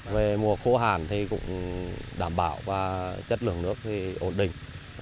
về mùa phố hàn thì cũng đảm bảo chất lượng nước ổn định